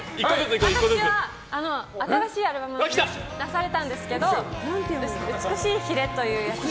私は、新しいアルバムを出されたんですけど「美しい鰭」という。